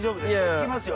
行きますよ。